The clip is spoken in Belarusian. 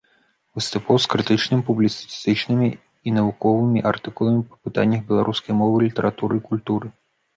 Выступаў з крытычнымі, публіцыстычнымі і навуковымі артыкуламі па пытаннях беларускай мовы, літаратуры, культуры.